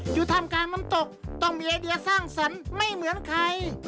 อยู่ทำการน้ำตกต้องมีไอเดียสร้างสรรค์ไม่เหมือนใคร